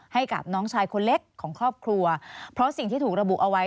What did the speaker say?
ให้กับน้องชายคนเล็กของครอบครัวเพราะสิ่งที่ถูกระบุเอาไว้